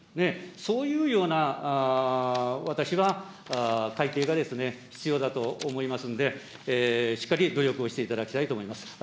そういうような私は改定が必要だと思いますんで、しっかり努力をしていただきたいと思います。